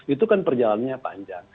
itu kan perjalanannya panjang